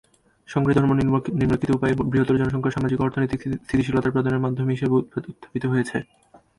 সংগঠিত ধর্ম নিম্নলিখিত উপায়ে বৃহত্তর জনসংখ্যার সামাজিক ও অর্থনৈতিক স্থিতিশীলতা প্রদানের মাধ্যম হিসাবে উত্থাপিত হয়েছেঃ